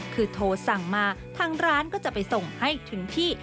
คือโทรสั่งมาทางร้านก็จะไปส่งให้ถึงที่